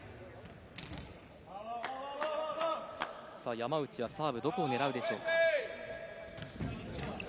山内はサーブどこを狙うでしょうか。